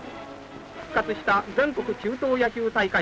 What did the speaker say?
復活した全国中等野球大会。